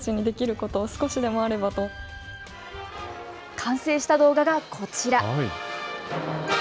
完成した動画がこちら。